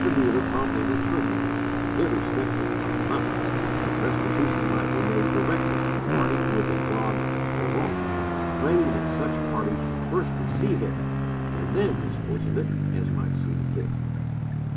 Muller promptly returned it, irrespective of amount, that restitution might be made directly to the party who had been robbed or wronged, claiming that such party should first receive it and then dispose of it as might seem fit.